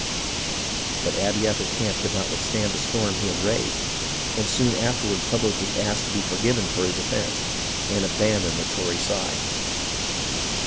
But Abiather Camp could not withstand the storm he had raised, and soon afterward publicly asked to be for given for his offence, and abandoned the Tory side.